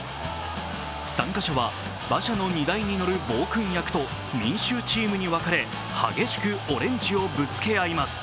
参加者は馬車の荷台に乗る暴君役と民衆チームに分かれ激しくオレンジをぶつけ合います。